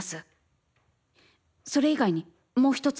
それ以外にもう１つ。